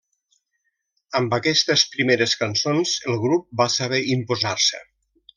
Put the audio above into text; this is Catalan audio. Amb aquestes primeres cançons el grup va saber imposar-se.